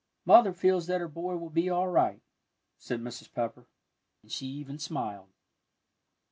"Mother feels that her boy will be all right," said Mrs. Pepper. And she even smiled.